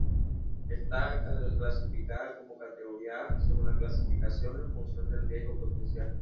Está clasificada como categoría "A", según la clasificación en función del riesgo potencial.